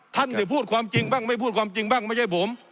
ท่านจะพูดความจริงบ้างไม่พูดความจริงบ้างไม่ใช่ผม